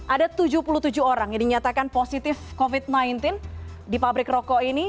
ada tujuh puluh tujuh orang yang dinyatakan positif covid sembilan belas di pabrik rokok ini